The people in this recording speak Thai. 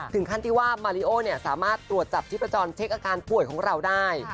ถึงขั้นที่ว่ามาริโอสามารถตรวจจับชีพจรเช็คอาการป่วยของเราได้